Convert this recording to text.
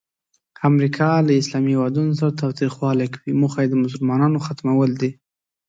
امریکا له اسلامي هیوادونو سره تاوتریخوالی کوي، موخه یې د مسلمانانو ختمول دي.